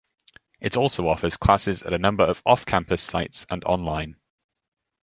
It also offers classes at a number of off-campus sites and online.